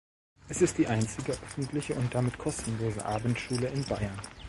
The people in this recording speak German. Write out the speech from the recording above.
Es ist die einzige öffentliche und damit kostenlose Abendschule in Bayern.